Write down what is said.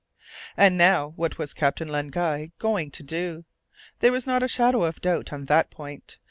And now, what was Captain Len Guy going to do? There was not a shadow of doubt on that point.